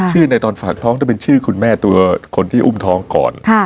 ในตอนฝากท้องต้องเป็นชื่อคุณแม่ตัวคนที่อุ้มท้องก่อน